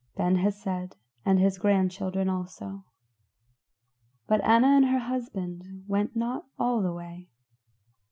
Ben Hesed and his grandchildren also. But Anna and her husband went not all the way.